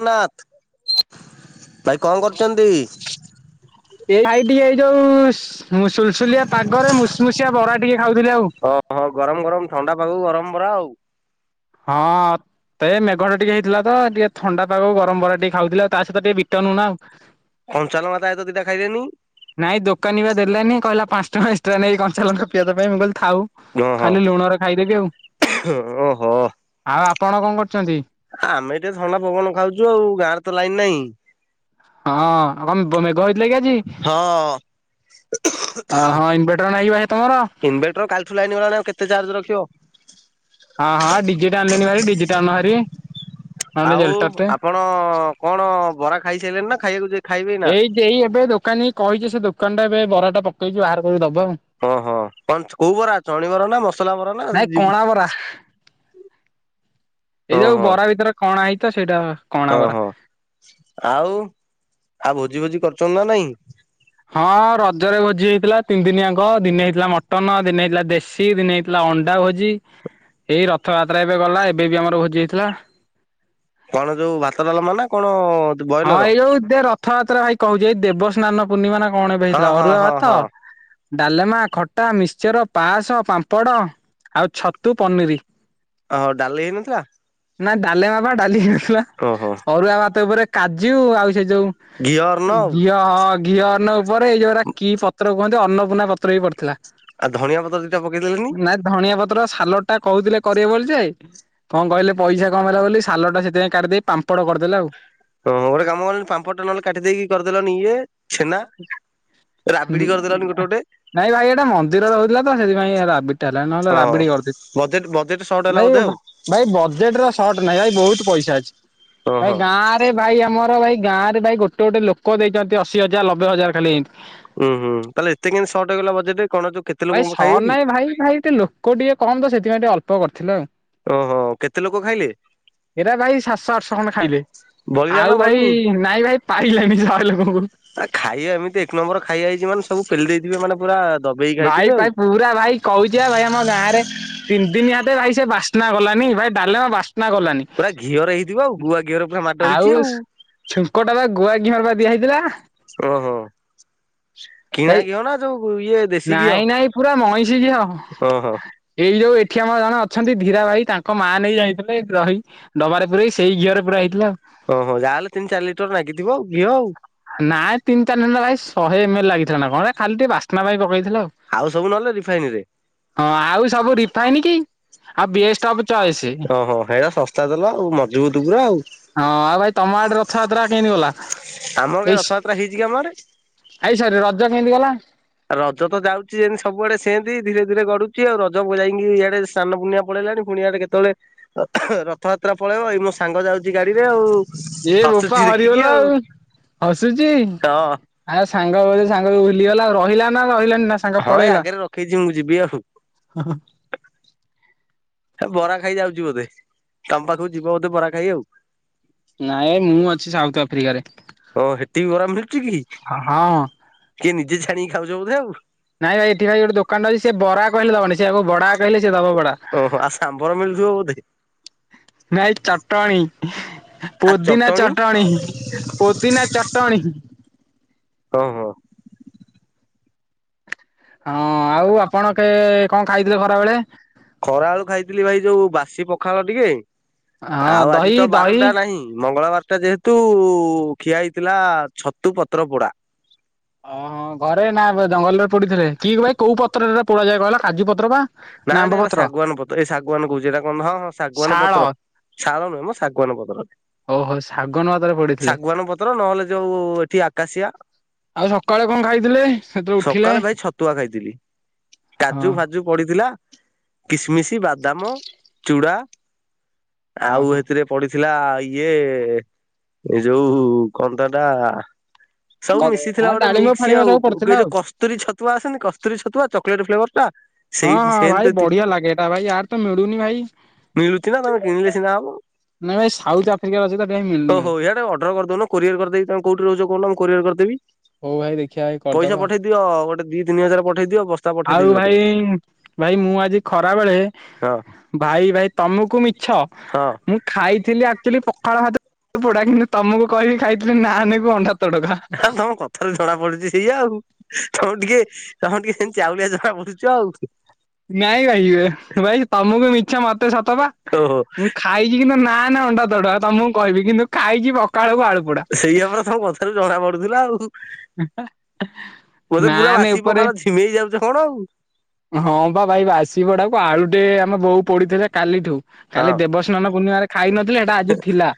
ଗନ୍ନାଥ ଭାଇ କଣ କରୁଛନ୍ତି? ଏଇ ଭାଇ ଟିକେ ଏଇ ଯୋଉ ସୁଲସୁଲିଆ ପାଗରେ ମୁସ୍ ମୁସିଆ ବରା ଟିକେ ଖାଉଥିଲି ଆଉ। ଓ ହଁ ଗରମ ଗରମ ଥଣ୍ଡା ପାଗକୁ ଗରମ ବରା ଆଉ। ହଁ। ତ ଏଇ ମେଘଟା ଟିକେ ହେଇଥିଲା ତ ଟିକେ ଥଣ୍ଡା ପାଗକୁ ଗରମ ବରା ଟିକେ ଖାଉଥିଲି ଆଉ। ତା ସହିତ ଟିକେ ବିଟ ନୁଣ ଆଉ। ଅଞ୍ଚା ଲଙ୍କା ତାହିତ ଦିଟା ଖାଇଲେନି? ନାଇଁ ଦୋକାନୀ ବା ଦେଲାନି କହିଲା ପାଞ୍ଚ ଟଙ୍କା କଞ୍ଚା ଲଙ୍କ ପିଆଜ ପାଇଁ ମୁଁ କହିଲି ଥାଉ ହଁ ଖାଲି ଲୁଣରେ ଖାଇଦେବି ଆଉ। ଓ ହୋ। ଆଉ ଆପଣ କଣ କରୁଛନ୍ତି? ଆମେ ଏଠି କେ ଥଣ୍ଡା ପବନ ଖାଉଛୁ ଆଉ। ଗାଁରେ ତ ଲାଇନ୍ ନାହିଁ। ହଁ ଆପ ବ ମେଘ ହେଇ ହଁ। ଅ ହଁ ଇନଭେଟର ନାହିଁ ଭାଇ ତମର? ଇନଭେଟର କାଲିଠୁ ଲାଇନ୍ ଗଲାଣି। ଆଉ କେତେ ତେ ଚାର୍ଜ ରଖିବ। ହଁ ହଁ ଡିଜିଟା ଆଣିଲେଣି ଭାରି। ଡିଜିଟା ଆଣୁନ ହାରି। ଆଉ ଆପଣ କଣ ବରା ଖାଇ ସାଇଲେଣି ନା। ଖାଇବାକୁ ଯ ଖାଇବେ ନା? ଏଇ ଦେଇ ଏବେ ଦୋକାନିକି କହିଛି। ସେ ଦୋକାନ ଟା ଏବେ ବରାଟା ପକେଇଛି। ବାହାର କରିକି ଦ ହଁ ହଁ କଣ ଚ କୋଉ ବରା? ଚଣିବରା ନା ମସଲା ବରା ନା ନାଇଁ ଜି କଣା ବରା। ହୁଁ। ଏଇ ଯୋଉ ବରା ଭିତରେ କଣା ହେଇଛି ତ ସେଇଟା। କଣା ହଁ ବରା। ହଁ ଆଉ। ଆଉ ଭୋଜି ଭୋଜି କରୁଛନ୍ତି ନା ନାଇଁ? ହଁ ର ଜରେ ଭୋଜି ହେଇଥିଲା। ତିନି ଦିନିଆଙ୍କ। ଦିନେ ହେଇଥିଲା ମଟନ ଦିନେ ହେଇଥିଲା ଦେଶୀ ଦିନେ ହେଇଥିଲା ଅଣ୍ଡା ଭୋଜି। ଏଇ ରଥଯାତ୍ରା ଏବେ ଗଲା। ଏବେ ବି ଆମର ଭୋଜି ହେଇଥିଲା। କଣ ଯୋଉ ଭାତଡାଲମା ନା କଣ ହଁ ବଏଲର? ଏଇ ଯୋଉ ଦେ ରଥଯାତ୍ରା ଭାଇ କହୁଛି। ଏଇ ଦେବସ୍ନାନ ପୂର୍ଣ୍ଣିମା ନା କ କଣ ଏବେ ହଁ ହେଇଥିଲା? ହଁ ଅରୁଆ ହଁ ଭାତ ହଁ ଡାଲେମା ଖଟା ମିକ୍ସଚର ପାଶ ପାମ୍ପଡ। ଆଉ ଛତୁ ପନିରି। ଓହୋ ଡାଲି ହେଇନଥିଲା ନା ଡାଲେମା ବା ଡାଲି ହେଇନଥିଲା। ଓହୋ ଅରୁଆ ଭାତ ଉପରେ ଜିଉ ଆଉ ସେ ଯୋଉ ଘିଅ ଅର୍ଣ୍ଣ ଆଉ ଘିଅ ହ ଘିଅ ଅନ୍ନ ଉପରେ ଏଇ ଯୋଉଟା କି ପତ୍ର କୁହ ନ୍ତି ଅନ୍ନପୂର୍ଣା ପତ୍ର ବି ପଡିଥିଲା। ଆଉ ଧଣିଆ ପତ୍ର ଦିଟା ପକେଇଦେଲେନି। ନାଇଁ ଧଣିଆ ପତ୍ର ତ୍ର ସାଲଟା କହୁଥିଲେ କରିବେ ବୋଲି ଯେ। କଣ କହିଲେ ପଇସା କମ ହେଲା ବୋଲି ସାଲଟା ସେଥିପାଇଁ କାଟିଦେଇ ପାମ୍ପଡ କରିଦେଲେ ଆଉ। ହଁ ଗୋଟେ କାମ କଲନି ପାମ୍ପଡ ଟା ନଲେ କାଟିଦେଇକି କରିଦେଲନି ଇଏ। ଛେନା ରାବିଡି କରିଦେଲନି ଗୋଟେ ଗୋଟେ ନାଇଁ ଭାଇ ଏଟା ମନ୍ଦିର ର ହଉଥିଲା ତ ସେଥିପାଇଁ ଇଆର ଆବିର୍ ହେଲା ନହେଲେ ହଁ ରାବିଡି କରିଦ ବଜେଟ ବଜେଟ ସର୍ଟ ହେଲା ଭାଇ ବୋଧେ ଆଉ। ଭାଇ ବଜେଟରେ ସଟ ନାଇଁ। ଭାଇ ବହୁତ ପଇସା ଅଛି। ଭାଇ ଓହୋ ଗାଁ ରେ ଭାଇ ଆମର ଭାଇ ଗାଁ ରେ ଭାଇ ଗୋଟେ ଗୋଟେ ଲୋକ ଦେଇଛନ୍ତି ଅଶୀ ହ ର ଲବେ ହଜାର ଖାଲି ଏମିତି। ହୁଁ ହୁଁ ତାହେଲେ ଏତେ କେମିତି ସର୍ଟ ହେଇଗଲା ବଜେଟେ। ଭାଇ ସଟ ନାଇଁ ଭାଇ ଭାଇ ଟେ ଲୋକ ଟିକେ କମ ତ ସେଥିପାଇଁ ଟିକେ ଅଳ୍ପ କରିଥିଲ ଆଉ। ଓହୋ କେତେ ଲୋକ ଖାଇଲେ? ଏରା ଭାଇ ସାତଶହ ଆଠଶହ ଖଣ୍ଡ ଖାଇଲେ। ବଳିଲା ନା ଆଉ ବଳିନି? ଭାଇ ନାଇଁ ଭାଇ ପାଇଲାନି ଶହେ ଲୋକଙ୍କୁ। ଆ ଖାଇବା ଏମିତି ଏକ ନମ୍ବର ଖାଇବା ହେଇଛି ମାନେ ସବୁ ପେଲି ଦେଇଥିବେ। ମାନେ ପୁରା ଦବେଇକି ଖାଇଥିବେ ଭାଇ ଆଉ। ପାଇ ପୁରା ଭାଇ କହୁଛି ବା ଭାଇ ଆମ ଗାଁ ରେ ତିନି ଆ ବେ ଯାଏଁ ସେ ବାସ୍ନା ଗଲାନି ଭାଇ ଡାଲେମା ବାସ୍ ନା ଗଲାନି, ପୁରା ଘିଅରେ ହେଇଥିବ ଆଉ ଗୁଆ ଘିଅରେ ପୁରା ମାଡ ହେଇଛି ଆଉ ସୂ ଛୁଙ୍କଟା ବା ଗୁଆ ଘିଅ ରେ ବା ଦିଆ ହେଇଥିଲା। ଓହୋ କିଣା ଭାଇ ଘିଅ ନା ଯୋଉ ଇଏ ଦେଶୀ ଘିଅ ନାଇଁ ନାଇଁ ପୁରା ମଇଷି ଘିଅ, ଓହୋ। ଏଇ ଯୋଉ ଏଠି ଆମର ଜଣେ ଅଛନ୍ତି ନ୍ତି ଧୀରା ଭାଇ ତାଙ୍କ ମା ନେଇ ଯାଇଥିଲେ, ଗ୍ରହି ଡବାରେ ପୁରେଇ ସେଇ ଘିଅରେ ପୁରା ହେଇଥିଲା ଆଉ। ଓହ ଯାହାଲେ ତିନି ଚାରି ଲିଟର ନାଗିଥିବ ଘିଅ ଆଉ। ନାଇଁ ତିନ ଚାରିିନ କାଇଁ ଶହେ ଏମ ଏଲ ଲାଗିଥିଲା ନା କଣ ଖାଲି ଟିକ ବାସ୍ନା ପାଇଁ ପକେଇ ଲୁ ଆଉ ସବୁ ନହେଲେ ରିଫାଇନରେ ହଁ ଆଉ ସବୁ ରିଫାଇନ୍ କି? ଆଉ ବେଷ୍ଟ ଅଫ ଚଏସ ଓହୋ ହେଇରା ଶସ୍ତା ତେଲ ଆଉ ମଜବୁତ ପୁରା ଆଉ। ହଁ ଆଉ ଭାଇ ତମ ଆଡେ ରଥଯାତ୍ରା କେମତି ଗଲା? ଆମର କାଇଁ ଏଇସ୍ ରଥଯାତ୍ରା ହେଇଛି କି ଆମ ଆଡେ ଏଇ ସରି ରଜ କେମିତି ଗଲା? ରଜ ତ ଯାଉଚି ଯେମିତି ସବୁଆଡେ ସେମତି ଧୀରେ ଧୀରେ ଗଡୁଚି ଆଉ ରଜ ଉ ଯାଇକି ଇଆଡେ ସ୍ନାନ ପୂର୍ଣ୍ଣିମା ପଳେଇ ଣି ପୁଣିଆଟେ କେତେବେଳେ ରଥଯାତ୍ରା ପଳେଇବ ଏଇ ମୋ ସାଙ୍ଗ ଯାଉଚି ଗାଡିରେ ଆଉ। ଏ ବୋପା ହସୁଛି ଦେଖିକି ହରିବୋଲ ଆଉ ହସୁଚି ହଁ ଆ ସାଙ୍ଗ ବୋଲି ସାଙ୍ଗକୁ ଭୁଲିଗଲା ରହିଲା ନା ରହିଲା ହଁ ଏ ଆଗରେ ରଖେଇଚି ମୁଁ ଯିବି ଆଉ। ହେ ବରା ଖାଇ ଯାଉଚି ବୋଧେ ତମ ପାଖକୁ ଯିବ ବୋଧେ ବରା ଖାଇ ଆଉ ନାଇଁ ମୁଁ ଅଛି ସାଉଥ ଆଫ୍ରିକାରେ। ହଁ ସେତିକି ଗରାମ ହେଉଚି କି ହଁ କିଏ ନିଜେ ଛାଣିକି ଖାଉଚ ବୋଧେ ଆଉ। ନାଇଁ ଭାଇ ଏଠି ଭାଇ ଗୋଟେ ଦୋକାନଟା ଅଛି ସେ ବରା କହିଲେ ଦବନି ସେ ଆକୁ ବଡା କହିଲେ ସେ ଦବ ବଡା। ଚୁ ବଧେ? ନାଇଁ ଚଟଣୀ। ପୋଦିନା ଚଟଣି ପୁଦିନା ଚଟଣି। ହଁ ହଁ। ହଁ ଆଉ ଆପଣ କେ କଣ ଖାଇଥିଲେ ଖରା ବେଳେ? ଖରା ଆଳୁକୁ ଖାଇଥିଲି ଭାଇ ଯୋଉ ବାସି ପଖାଳ ଟିକେ। ହଁ ଆଉ ଆଜି ଦହି ତ ଦହି ବାରୁଟା ନାହିଁ ମଙ୍ଗଳବାର ସେଟା ଯେହେତୁ ଖିଆ ହେଇଥିଲା ଛତୁ ପତ୍ର ପୋଡା ଓହୋ ଘରେ ନା ବା ଜଙ୍ଗଲରେ ପୋଡିଥିଲେ କି ଭାଇ କୋଉ ପତ୍ରରେ ପୋଡା ଯାଏ କହିଲା କାଜୁ ପତ୍ର ବା? ନା ନାଇଁ ଆମ୍ବ ନାଇ ଏଇଟା ପତ୍ର ଶାଗୁଆାନ ପତ୍ର ଏଇ ଶାଗୁଆନ କହୁଛି ଇଟା କଣ ହଁ ହଁ ଶାଗୁଆାନ ଶାଳ ପତ୍ର। ଶାଳ ନୁହେଁ ମ ଶାଗୁଆାନ ପତ୍ର। ଓ ହୋ ସା ଶାଗୁଆନ ପତ୍ର ନହେଲେ ଯୋଉ ଏଠି ଆକାଶିଆ ଆଉ ସକାଳେ କଣ ଖାଇଥିଲେ ସେତେବେଳେ ଉଠିଲେ ସକାଳେ ଭାଇ ଛତୁଆ ଖାଇଥିଲି କାଜୁ ହଁ। ଫାଜୁ ପଡିଥିଲା। କିସମିଶ ବାଦାମ ଚୁଡା ଆଉ ଓହୋ ଏଥିରେ ପଡିଥିଲା ଇଏ ଏ ଯୋଉ କଣ ତା ନା ସବୁ ମିଶିଥିଲା ହଁ ଗୋଟେ ଡାଳିମ୍ବ ମିକ୍ସି ଫାଳିମ୍ବ ଆଉ। ସବୁ ପଡିଥିଲା ଏ ଆଉ ଯୋଉ ହଁ କସ୍ତୁରୀ ଛତୁଆ ଆସେନି କସ୍ତୁରୀ ଛତୁଆ ଚକଲେଟ୍ ଫ୍ଲେଭର ଟା ହଁ ସେଇ ହଁ ଭାଇ ସେମିତି ବଢିଆ ଲାଗେ ଏଟା ଭାଇ ଆର ତ ମିଳୁନି ଭାଇ। ମିଳୁଛି ନା ତମେ କିଣିଲେ ସିନା ନାଇ ଭାଇ ସାଉଥ ଆଫ୍ରିକାରେ ଅଛି ତ। ଏଠି ଓ ମିଳୁନି ହୋ ଭାଇ ଇଟା ଅଡର୍ର କରିଦଉନ କୋରିୟର କରିଦବି ତମ କୋଉଠି ରହୁଚ କହୁନ ମୁଁ କୋରିଅର କରିଦେବି। ହଉ ଭାଇ ଦେଖିବା ଭାଇ ପଇସା କରିଦବା ପଠେଇ ଦିଅ ଗୋଟେ ଦି ତିନି ହଜାର ପଠେ ଆଉ ଭାଇ ଭାଇ ମୁଁ ଆଜି ଖରା ବେଳେ ହଁ। ଭାଇ ଭାଇ ତମକୁ ମିଛ, ମୁଁ ଖାଇଥିଲି ଆକ୍ଚୁଆଲି ପଖାଳ ହାତ ନାନକୁ ଅଣ୍ଡା ତଡକା ମ ତମ କଥାରୁ ଜଣା ପଡୁଚି ସେଇଆ ଆଉ। ତମେ ଟିକେ ତମେ ଟିକେ ସେମତି ଚାଉଳିଆ ଜଣା ପଡୁଚ ଆଉ। ନାଇଁ ଭାଇ ଭାଇ ତମକୁ ମିଛ ମତେ ସତ ବା। ଓହୋ ମୁଁ ଖାଇଚି କିନ୍ତୁ ନାନ ଅଣ୍ଡା ତଡକା ତମକୁ କହିବି କିନ୍ତୁ ଖାଇଛି ଖାଇକି ପଖାଳ ପଖାଳକୁ ଆଳୁ ପୋଡା। ଗଡୁଚୁ ସେଇଆ ପରା ତମ କଥାାରୁୁ ଜଣା ପଡୁଥିଲା ଆଉ। ହି ହେ ବୋଧେ ନା ପୁରା ନେ ବାସି ଉପରେ ପଖାଳ ଝିମେଇ ଯାଉଛ କଣ ଆଉ ହଁ ବୋଉ ହଁ ବା ଭାଇ ବାସି ପୋଡାକୁ ଆଳୁ ଟେ ଆମ ବୋଉ ପଡିଥିଲା କାଲିଠୁ। କାଲି ଦେବସ୍ନାନ ପୂର୍ଣ୍ଣିମାରେ ଖାଇ ନଥିଲେ ହେଟା ଆଜି ଥିଲା।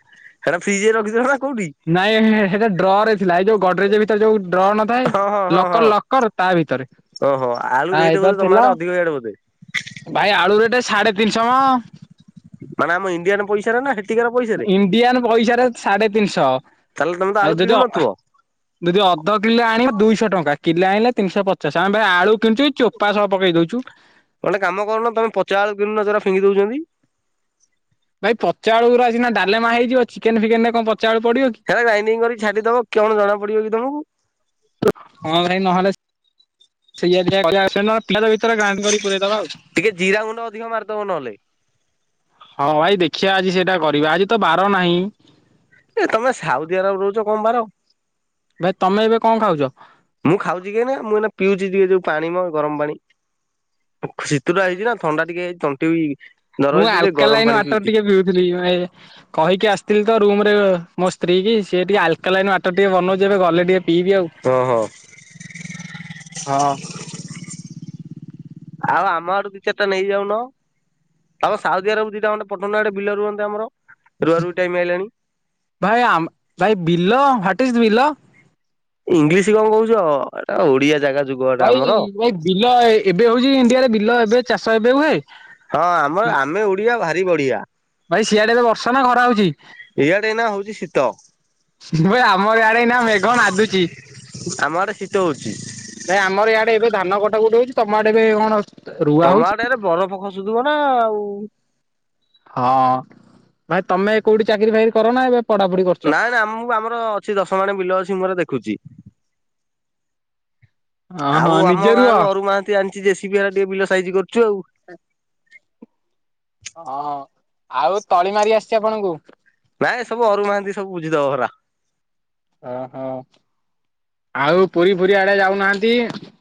ଓଡ଼ିଶା ବାହାରେ ନାଁ କଉଠି? ନାଇଁ ହେ ହେଟା ଡ୍ର ରେ ଥିଲା ଏଇ ଯୋଉ ଗଡ୍ରେଜ ଭିତରେ ଯୋଉ ଡ୍ର ନଥାଏ ହଁ ହଁ ହଁ ହଁ। ଲକର ଲକର ତା ଭିତ ତରେ। ଓହୋ ଆଳୁ ଆ ରେଟ୍ ବୋଧେ ଏଥର ତମ ଥିଲା ଆଡେ ଅଧିକ ଇଆଡେ ବୋଧେ ଭାଇ ଆଳୁ ରେଟ ସାଢେ ତିନିଶହ ମ ମାନେ ଆମ ଇଣ୍ଡିଆନ ରେ ପଇସା ନା ହେଟି ଇଣ୍ଡିଆନ ପଇସାରେ ସାଢେ ତିନିଶହ ତାହେଲେ ତମେ ତ ଆଉ ଆଳୁ ଯଦି ଅ କିଣୁନଥିବ ଜଦି ଅଧ କିଲେ ଆଣିବ ଦୁଇଶହ ଟଙ୍କା କିଲେ ଆଣିଲେ ତିନିଶହ ପଚାଶେ ଆମେ ଭାଇ ଆଳୁ କିଣିଚୁ ଇ ଗୋଟେ କାମ କରୁନ ତମେ ପଚା ଆଳୁ କିଣୁନ ଯଉରା ଫିଙ୍ଗି ଦଉଛନ୍ତି। [unintelligible] ଭାଇ ପଚାଆଳୁଅରା ସିନା ଡାଲେମା ହେଇଯିବ ଚିକେନ ଫିକେନରେ କଣ ପ ହେ ଲାଇନିଂ କରି ଛାଡିଦବ କଣ ଜଣା ପଡିବ କି ତମକୁ? ହଁ ଭାଇ ନହେଲେ ସେଇଆ ଦେଖିବା କରିବା ଆଉ [inaudible] ଟିକେ ଜିରା ଗୁଣ୍ଡ ଅଧିକ ମାରିଦବ ନହେଲେ। ହଁ ଭାଇ ଦେଖିବା ଆଜି ସେଇଟା କରିବା ଆଜି ତ ବାର ନାହିଁ। ଏ ତମେ ସାଉଦି ଆରବ ରହୁଛ କଣ ବାର? ଭାଇ ତମେ ଏବେ କଣ ଖାଉଛ? ମୁଁ ଖାଉଛି କେହି ନା ମୁଁ ଏ ପିଉଛି ଟିକେ ଯୋଉ ପାଣି ମ ଗରମ ପାଣି। ଶୀତଟା ହେଇଛି ନା ଥଣ୍ଡା ଟିକେ ହେଇଛି ତଣ୍ଟି ବି ଦରଜ ମୁଁ ହେଇଛି ଟିକେ ଆଲକା ଗରମ ଲାଇନ ପାଣି ୱାଟର ପିଉଛି। ଟିକେ ପିଉଥିଲି ମୁଁ କହିକି ଆସିଥିଲି ତ ରୁମରେ ସ୍ତ୍ରୀ କି ସିଏ ଟିକେ ଆଲକା ଲାଇନ ଆଟା ଟିକେ ବନଉଛି ଏବେ ଗଲେ ଟିକେ ପିଇବି ଆଉ। ଓହୋ ହଁ। ଆଉ ଆମ ଆଡୁ ଦୁଇ ଚାରିଟା ନେଇ ଯାଉନ ତମ ସାଉଦି ଆରବ ଦିଟା ମୋଟେ ପଟ ଆଡେ ବିଲ ରୁହନ୍ତେ ଆମର। ରୁଆ ରୁଇ ଟାଇମ ଆଇଲାଣି। ଭାଇ ଆମ ଭାଇ ବିଲ ୱେଟ୍ ଇସ୍ ବିଲ? ଇଂଲିଶ କଣ କହୁଛ ଏଟା ଓଡିଆ ଜାଗା ଯୁଗ ଏଟା ଭାଇ ଆମର। ଭାଇ ବିଲ ଏବେ ହଉଛି ଇଣ୍ଡିଆରେ ବିଲ ଏବେ ଚାଷ ଏବେ ହୁଏ? ହଁ ଆମର ଆମେ ଓଡିଆ ଭାରି ବଢିଆ ଭାଇ ସିଆଡେ ଏବେ ବର୍ଷା ନା ଖରା ହଉଛି? ଇଆଡେ ଏଇ ନା ହଉଛି ଶୀତ? ଭାଇ ଆମ ଇଆଡେ ଏ ନା ମେଘ ନାଧୁଛି। ତ ହଉଛି। ନାଇଁ ଆମର ଇଆଡେ ଏବେ ଧାନ କଟା କୁଟି ହଉଛି ତମ ଆଡେ ଏବେ କଣ ରୁଆ ତମ ହଉଛି? ଆଡେ ଏଇନେ ବରଫ ଖସୁଥିବ ନା ଆଉ। ହଁ ଭାଇ ତମେ କୋଉଠି ଚାକିରି ଫାକିରି କର ନା ଏବେ ପଢାପଢି କରୁଛ? ନାଇଁ ନାଇଁ ଆମ ଆମର ଅଛି ଦଶ ମାଣେ ବିଲ ଅଛି ମୋର ଦେଖୁଛି। ହଁ ହଁ ଆଉ ଆମ ନିଜେ ରୁଅ। ଗାଁରୁ ଅରୁ ମହାନ୍ତି ଆଣିଛି ଯେସିପି ହେ ଟିକେ ବିଲ ସାଇଜି କରୁଛି। ଚୁ ଆଉ। ହଁ ଆଉ ତଳି ମାରି ଆସିଛି ଆପଣଙ୍କୁ? ନାଇଁ ସବୁ ଅରୁ ମହାନ୍ତି ସବୁ ବୁଝିଦବ ପରା। ଓହୋ ଆଉ ପୁରୀ ଫୁରି ଆଡେ ଯାଉନାହାନ୍ତି?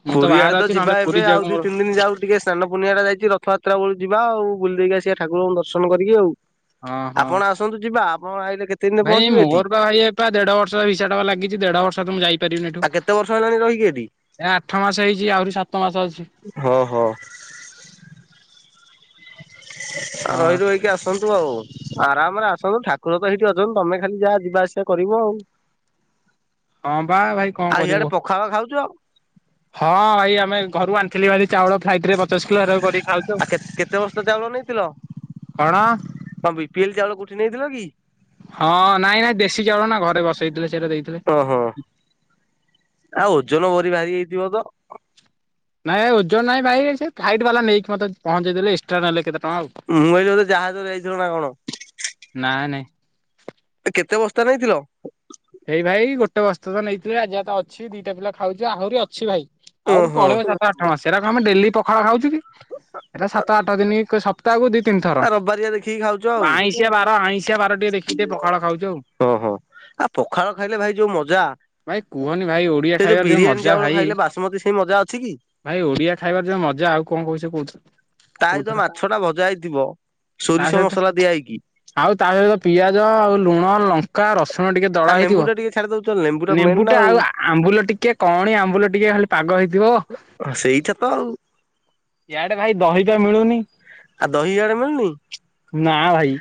ମୁଁ ପୁରୀଆଡେ ବାହାରେ ତ ଅଛି ନହେଲେ ଯିବା ପୁରୀ ଏବେ ଆଉ ଯିବାକୁ ଦି ମୋର ତିନି ଦିନ ଯାଉ ଟିକେ ସ୍ନାନପୁର୍ଣ୍ଣିମା ଟା ଯାଇଛି ରଥଯାତ୍ରା ବେ ଯିବା ଆଉ ବୁଲି ଦେଇକି ଆସିବା ଠାରଙ୍କୁ ଦର୍ଶନ କରିକି ଆଉ। ହଁ ହଁ ଆପଣ ଆସନ୍ତୁ ଯିବା ଆପଣ ଆଇଲେ କେତେ ଦିନରେ ଭାଇ ପହଞ୍ଚିବେ ଏଠି ମୋର ବା ଭାଇ ପା ଦେଢ ବର୍ଷ ଭସା ଟା ଲାଗ ଗିଚି ଦେଢ ବର୍ଷ। ତ ମୁଁ ଯାଇପାରିବିନି ଏଠୁ। ଆଉ କେତେ ବର୍ଷ ହେଲାଣି ରହିକି ହେଠି? ଏ ଆଠ ମାସ ହେଇଛି ଆହୁରି ସାତ ମାସ ଅଛି। ହଁ ହଁ [inaudible] ଆ ହଁ ରହି ରୁହାକି ଆସନ୍ତୁ ଆଉ। ଆରାମରେ ଆସନ୍ତୁ ଠାକୁର ତ ସେଇଠି ଅଛନ୍ତି ତମେ ଖାଲି ଯାହା ଯିବା ଆସିବା କରିବ ଆଉ। ହଁ ବା ଭାଇ କଣ ଆଉ ଇଆଡେ କରିବୁ ପଖାଳ ଖାଉଛ ଆଉ ହଁ ଭାଇ ଆମେ ଘରୁ ଆ ଥିଲି ଆଜି ଚାଉଳ ଫ୍ଲାଇଟିରେ ପଚାଶ କିଲୋ ହେରାକୁ କରିକି ଖାଉଚୁ ଆଉ। କଣ କଣ ବିପିଏଲି ଚାଉଳ କୋଉଠି ନେଇଥିଲ କି? ହଁ ନାଇଁ ନାଇଁ ଦେଶୀ ଚାଉଳ ନା ଘରେ ବସେଇଥିଲେ ସେଟା ଦେଇଥିଲେ। ଓହୋ ଆଉ ଓଜନ ଭରି ଭାରି ବାହାରି ହେଇଥିବ ତ? ନାଇଁ ଓଜନ ନାଇଁ ଭାଇ ସେ ନା ନା ଭାଇ ଓଜନାହିଁ ଭାଇ ଫ୍ଲାଇଟ୍ ବାଲା ନେଇକି ମତେ ପହଞ୍ଚେଇ ଦେଲେ ଏକ୍ସଟ୍ରା ନେଲେ କେତେଟ ମୁଁ ଭାବିଲି ଗୋଟେ ଜାହାଜରେ ଯଇଥିଲ ନା କଣ? ନାଇଁ ନାଇଁ କେତେ ବସ୍ତା ନେଇଥିଲ? ଏଇ ଭାଇ ଗୋଟେ ବସ୍ତା ତ ନେଇଥିଲେ ଆଜି ଯାତେ ଅଛି ଦିଟା ପିଲା ଖାଉଛୁ ଆହୁରି ଅଛି ଭାଇ। ଆଉରି ଓହୋ ପଳେଇବ ସାତ ଆଠ ମାସେ ସେରାକ ଆମେ ଡେଲି ପଖାଳ ଖାଚୁ କି। ଏଇରା ସାତ ଆଠ ଦିନ ସପ୍ତାହକୁ ଦି ତିନି ଥର। ଆ ରବିବାରିଆ ଦେଖିକି ଖାଉଛ ଆଉ ଆଇଁସିିଆ ବାର ଆଇଁସିିଆ ବାର ଟିକେ ଦେଖିକି ଟିକେ ପଖାଳ ଖାଉଛୁ ଆଉ। ଆ ପଖାଳ ଖାଇଲେ ଭାଇ ଯୋଉ ମଜା ଭାଇ କୁହନି ଭାଇ ଓଡିଆ ସେ ଯୋଉ ଖାଇବାର ବିରିୟାନୀ ମଜା ଚାଉଳ ଭାଇ ଖାଇଲେ ବାସମତୀ ସେଇ ମଜା ଅଛି କି? ଭାଇ ଓଡିଆ ଖାଇବାର ଯୋଉ ମଜା ଆଉ କଣ କହୁଛ କହୁଛ ତାହି ତ କୋଉଥରେ ମାଛ ଟା ଭଜା ହେଇଥିବ ତା ସୋରିଷ ସହିତ ମସଲା ଦିଆ ହେଇକି ଆଉ ତା ସହିତ ପିଆଜ ଆଉ ଲୁଣ ଲଙ୍କା ରସୁ ଟିକେ ଆଉ ଦଳା ଲେମ୍ବୁ ହେଇଥିବ ଟା ଟିକେ ଛାଡି ଦଉଛ ଲେମ୍ବୁ ମେନ୍ ନେମ୍ବୁ ନା ଟା ଆଉ ଆମ୍ବୁଲ ଟିକେ କଣି ଆମ୍ବୁଲ ଟିକେ ଖାଲି ପାଗ ହେଇଥିବ ସେଇଟା ତ ଆଉ। ୟଆଡେ ଭାଇ ଦହିପା ମିଳୁନି। ଆଉ ଦହି ଆଡେ ମିଳୁନି? ନା ଭାଇ।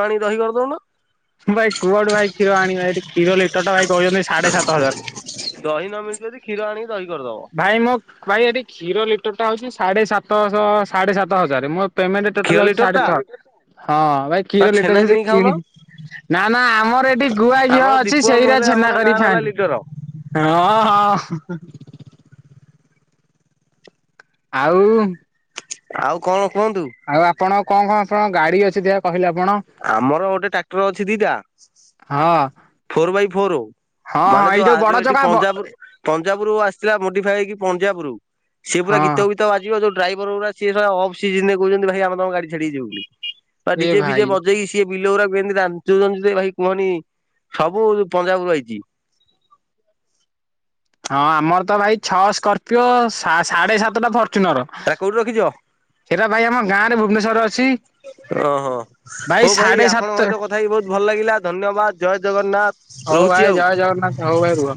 ପାଣି କି ଦହିକରି ଦଉନା। ଭାଇ କୁଆଠୁ ଭାଇ କ୍ଷୀର ଆଣିବି ଏଠି କ୍ଷୀର ଲିଟର ଟା ଭାଇ କହୁଛନ୍ତି ସାଢେ ସାତ ହଜାର। ନମିଳୁଛି ଯଦି ଖୀର ଭାଇ ମୋ ଭାଇ ଏଠି କ୍ଷୀର ଲିଟର ଟା ହଉଛି ସାଢେ ସାତ ଶହ ସାଢେ ସାତ ହଜାର ମୋ ପ୍ରେମେଟେ କ୍ଷୀର ଟୋଟାଲେ ହେଉଛି ଲିଟର ସାଢେ ଟା ଛ ହଁ ଭାଇ ନା ଖିରଲିର ଛେନା ଯଦି କିଣିକି ଖାଉନ କିଣି ବି ନା ନା ଆମର ଏଠି ଗୁଆ ଘିଅ ଆମର ଅଛି ଦୀପୁଆ ମୁଁ ସେଇରା ହେଲେ ଛେନା ଆମର ଗାଁ କରିକି ର ହେଲା ଖାଆନ୍ତି। ଲିଡର ହଁ ହଁ। ଆଉ। ଆଉ କଣ କୁହନ୍ତୁ? ଆଉ ଆପଣ କଣ କଣ ସବୁ ଗାଡି ଅଛି ଡେଖିଆ କହିଲେ ଆପଣ। ଆମର ଗୋଟେ ଟ୍ରାକ୍ଟର ଅଛି ଦିଟା। ହଁ ଫୋର ବାଇ ଫୋର ଆଉ ହଁ ହଁ ମାନେ ଏଇ ଯୋଉ ବଡ ଯୋଉ ଏଠି ଚକା ବ ପଞ୍ଜାବ ପଞ୍ଜାବରୁ ଆସିଥିଲା ମୋଡି ଇକ ପଞ୍ଜ ରରୁ ସେଏ ପୁରା ଗୀତ ହଁ ଫିତ ବାଜିବ ଯୋଉଡ୍ରାଇଭର ଗୁରା ସିଏ ଅଫ ସିଜିନିରେ କହୁଛନ୍ତି ଭାଇ ଆମ ତମ ଗାଡି ଛାଡିକିଯିବୁନୁ ବୋଲି ବା ଏ ଡିଜେ ଫିଜେ ଭାଇ ବଜେଇକି ସିଏ ବିଲଗୁରାକୁଏମିତି ରାଚୁଚନ୍ତୀ ଭାଇ କୁହନି ସବୁ ପଞ୍ଜାବରୁ ଆଇଛି। ହଁ ଆମର ତ ଭାଇ ଛଅ ସ୍କର୍ପିଓ ସାଢେ ସାତଟା ଫର୍ଚୁନର ହେରା କୋଉଠି ରଖିଛ? ସେରା ଭାଇ ଆମ ଗାଁ ରେ ଭୁବନେଶ୍ୱରରେ ଅଛି। ଓହୋ ହଉ ଭାଇ ସାଢେ ସାତ ଆପଣଙ୍କ ସହିତ କଥା ହେଇକି ବହୁତ ଭଲ ଲାଗିଲା ଧନ୍ୟବାଦ ଜୟ ଜଗନ୍ନାଥ। ହଉ ରହୁଛି ଭାଇ ଆଉ। ଜୟ ଜଗନାଥ ହଉ ଭାଇ ରୁହ।